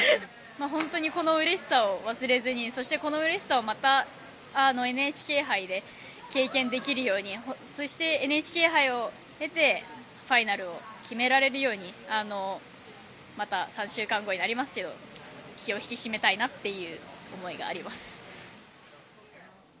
本当にこのうれしさを忘れずにそしてこのうれしさをまた、ＮＨＫ杯で経験できるようにそして、ＮＨＫ杯を経てファイナルを決められるようにまた３週間後になりますけど気を引き締めたいなっていう思いがあります。